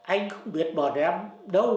anh không biết bọn em đâu